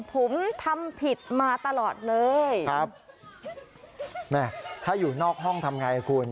ผมทำผิดมาตลอดเลยครับแม่ถ้าอยู่นอกห้องทำไงคุณ